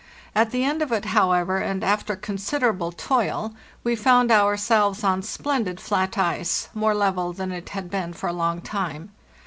At the end of it, however, and after considerable toil, we found ourselves on splendid flat ice, more level than it had been for a long time.